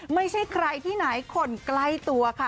ไม่ใช่ใครที่ไหนคนใกล้ตัวค่ะ